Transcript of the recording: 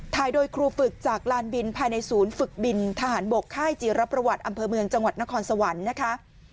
ถ่ายโดยครูฝึกจากลานบินภายในศูนย์ฝึกบินทหารบกค่ายจีรประวัติอำเภอเมืองจังหวัดนครสวรรค์นะคะ